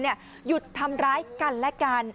หยุดทำร้ายกันและกัน